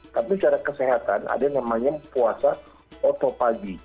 tapi cara kesehatan ada namanya puasa oto pagi